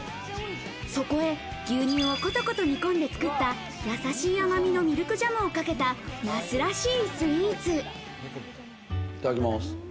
そこへ牛乳をコトコト煮込んで作った、やさしい甘みのミルクジャムをかけた那須らしいスイーツ。